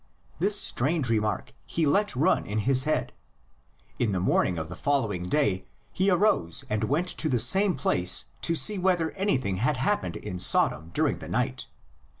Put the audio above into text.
This strange remark he let run in his head; in the morn ing of the following day he arose and went to the same place to see whether anything had happened in Sodom during the night.